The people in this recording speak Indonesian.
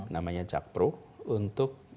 namanya jakpro untuk